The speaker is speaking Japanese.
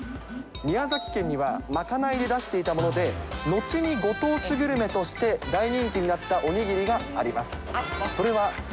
宮崎県には、まかないで出していたもので、後にご当地グルメとして大人気になったおにぎりがあります。